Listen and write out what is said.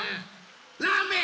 ラーメン！